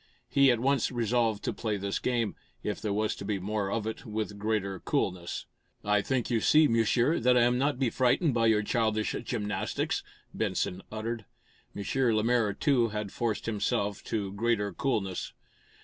He at once resolved to play this game, if there was to be more of it, with greater coolness. "I think you see, Monsieur, that I am not be frightened by your childish gymnastics," Benson uttered. M. Lemaire, too, had forced himself to greater coolness.